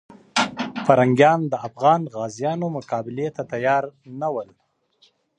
پرنګیانو د افغان غازیانو مقابلې ته تیار نه ول.